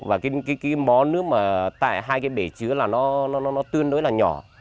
và cái món nước mà tại hai cái bể chứa là nó tương đối là nhỏ